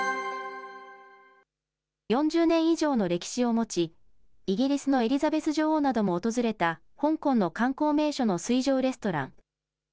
４０年以上の歴史を持ち、イギリスのエリザベス女王なども訪れた香港の観光名所の水上レストラン。